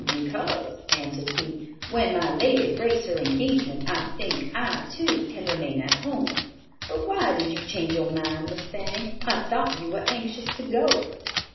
"Because," answered he, "when my lady breaks her engagement, I think I, too, can remain at home. But why did you change your mind, Miss Fanny? I thought you were anxious to go."